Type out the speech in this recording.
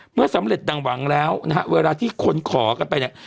เมื่อสำเร็จดังหวังแล้วนะฮะเวลาที่คนขอกันไปเนี่ย